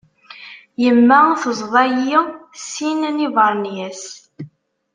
Yemma teẓḍa-iyi sin n yibernyas.